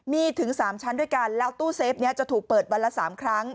มีถึง๓ชั้นด้วยกันแล้วตู้เซฟนี้จะถูกเปิดวันละ๓ครั้ง